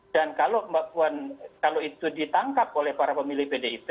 dan kalau mbak puan kalau itu ditangkap oleh para pemilih pdip